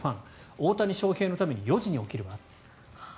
大谷翔平のために４時に起きるわ。